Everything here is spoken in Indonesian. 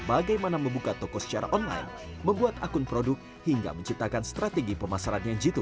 bagaimana membuka toko secara online membuat akun produk hingga menciptakan strategi pemasaran yang jitu